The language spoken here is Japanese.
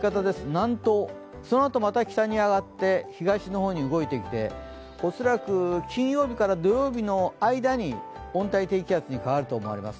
南東、そのあとまた北に上がって東の方へ動いてきて恐らく金曜日から土曜日の間に温帯低気圧に変わると思います。